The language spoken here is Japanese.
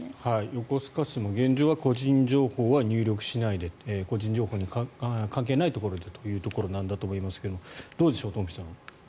横須賀市も現状は個人情報は入力しないで個人情報に関係ないところでということなんだと思いますがどうでしょう、東輝さん。